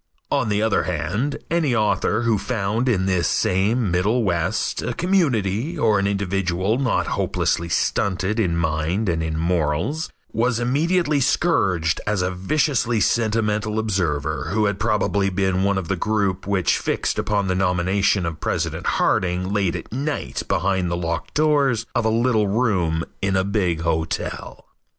On the other hand, any author who found in this same middle west a community or an individual not hopelessly stunted in mind and in morals, was immediately scourged as a viciously sentimental observer who had probably been one of the group which fixed upon the nomination of President Harding late at night behind the locked doors of a little room in a big hotel.